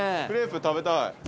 クレープ食べたい。